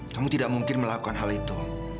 kamu tidak mungkin melakukan hal itu